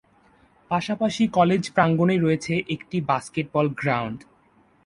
পাশাপাশি কলেজ প্রাঙ্গনে রয়েছে একটি বাস্কেটবল গ্রাউন্ড।